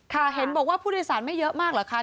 เห็นบอกว่าผู้โดยสารไม่เยอะมากเหรอคะ